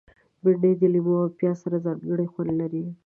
بېنډۍ د لیمو او پیاز سره ځانګړی خوند لري